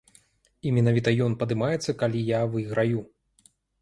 І менавіта ён падымаецца, калі я выйграю.